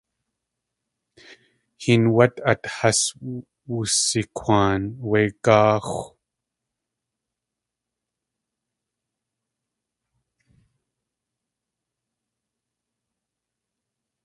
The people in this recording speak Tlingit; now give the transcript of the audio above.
Héen wát át has wusikwaan wé gáaxw.